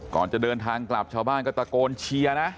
ก่อนจะเดินทางกลับชาวบ้านก็ตะโกนเชียร์นะ